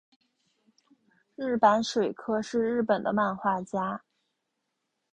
日坂水柯是日本的漫画家。